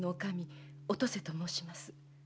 お登世と申します。